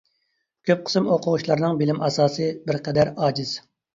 كۆپ قىسىم ئوقۇغۇچىلارنىڭ بىلىم ئاساسى بىرقەدەر ئاجىز.